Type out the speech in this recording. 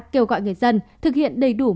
kêu gọi người dân thực hiện đầy đủ